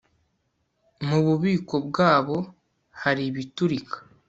Mububiko bwabo hari ibiturika